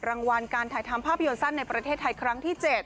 รางวัลการถ่ายทำภาพยนตร์สั้นในประเทศไทยครั้งที่๗